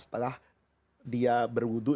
setelah dia berwudhu